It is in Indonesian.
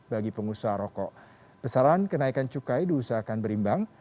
bagi pengusaha rokok besaran kenaikan cukai diusahakan berimbang